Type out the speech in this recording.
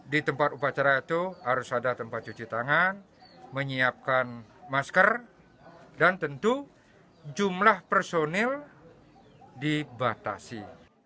di tempat upacara itu harus ada tempat cuci tangan menyiapkan masker dan tentu jumlah personil dibatasi